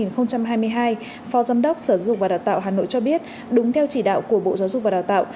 phó giám đốc sở giáo dục và đạt tạo hà nội cho biết đúng theo chỉ đạo của bộ giáo dục và đạt tạo